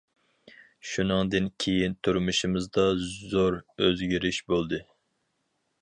شۇنىڭدىن كېيىن تۇرمۇشىمىزدا زور ئۆزگىرىش بولدى.